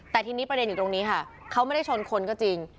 แต่ทีนี้ประเด็นอยู่ตรงนี้ค่ะเขาไม่ได้ชนคนก็จริง